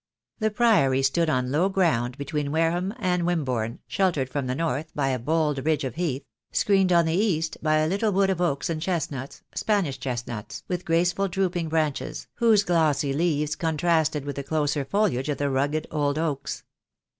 The Priory stood on low ground between Wareham and Wimbourne, sheltered from the north by a bold ridge of heath, screened on the east by a little wood of oaks and chestnuts, Spanish chestnuts, with graceful drooping branches, whose glossy leaves contrasted with the closer foliage of the rugged old oaks.